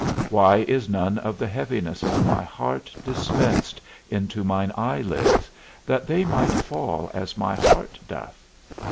Why is none of the heaviness of my heart dispensed into mine eye lids, that they might fall as my heart doth?